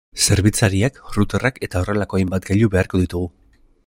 Zerbitzariak, routerrak eta horrelako hainbat gailu beharko ditugu.